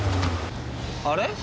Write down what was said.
あれ？